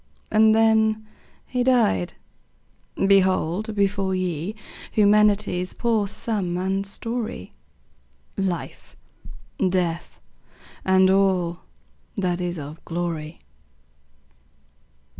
And then he died! Behold before ye Humanity's poor sum and story; Life, Death, and all that is of glory.